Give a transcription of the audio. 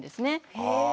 へえ！